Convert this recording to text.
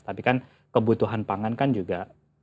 tapi kan kebutuhan pangan kan juga